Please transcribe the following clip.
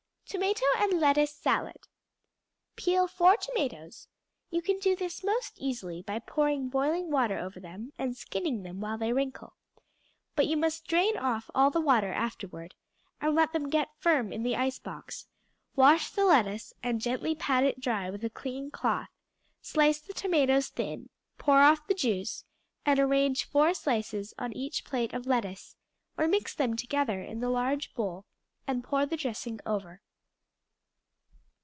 Tomato and Lettuce Salad Peel four tomatoes; you can do this most easily by pouring boiling water over them and skinning them when they wrinkle, but you must drain off all the water afterward, and let them get firm in the ice box; wash the lettuce and gently pat it dry with a clean cloth; slice the tomatoes thin, pour off the juice, and arrange four slices on each plate of lettuce, or mix them together in the large bowl, and pour the dressing over.